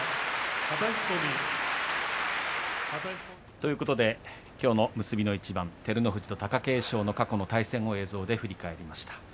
ということできょうの結びの一番照ノ富士と貴景勝の過去の対戦を映像で振り返りました。